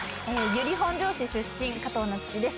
由利本荘市出身、加藤夏希です。